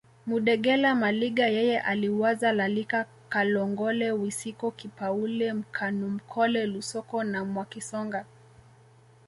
Mudegela Maliga yeye aliwazaa Lalika Kalongole Wisiko Kipaule Mkanumkole Lusoko na Mwakisonga